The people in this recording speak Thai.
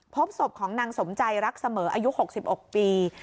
พบศพของนางสมใจรักเสมออายุ๖๖ปี